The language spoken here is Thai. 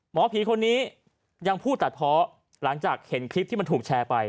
หมอผีคนนี้ยังพูดตัดเพาะหลังจากเห็นคลิปที่มันถูกแชร์ไป